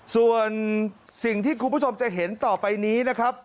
ส่วนสิ่งที่คุณผู้ชมจะเห็นต่อไปนี้นะครับ